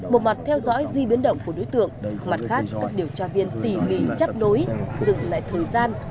một mặt theo dõi di biến động của đối tượng mặt khác các điều tra viên tỉ mỉ chắp nối dừng lại thời gian